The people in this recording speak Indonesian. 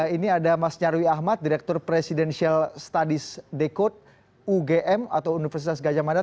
ini ada mas nyarwi ahmad direktur presidential studies dekod ugm atau universitas gajah mada